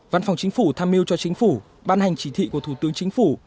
văn phòng chính phủ tham mưu cho chính phủ ban hành chỉ thị của thủ tướng chính phủ